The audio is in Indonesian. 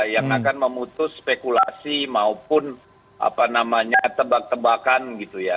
yang akan memutus spekulasi maupun tebak tebakan gitu ya